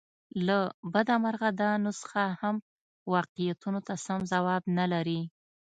له بده مرغه دا نسخه هم واقعیتونو ته سم ځواب نه لري.